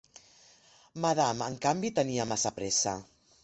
Madame, en canvi, tenia massa pressa.